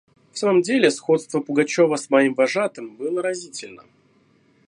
В самом деле сходство Пугачева с моим вожатым было разительно.